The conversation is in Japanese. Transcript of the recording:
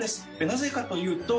なぜかというと。